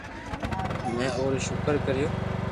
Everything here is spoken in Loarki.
ھين اوري ݾڪر ڪريو